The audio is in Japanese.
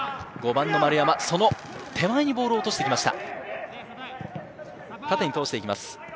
丸山の手前にボールを落としていきました。